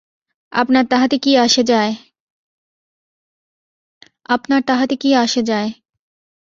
আপনার তাহাতে কী আসে যায়।